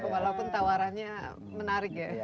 walaupun tawarannya menarik ya